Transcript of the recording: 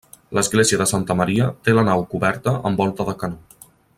L'església de Santa Maria té la nau coberta amb volta de canó.